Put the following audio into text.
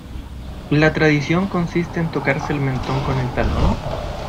¿La tradición consiste en tocarse el mentón con el talón?